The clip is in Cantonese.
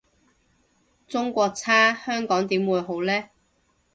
中國差香港點會好呢？